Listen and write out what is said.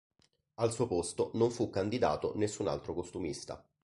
Al suo posto non fu candidato nessun altro costumista.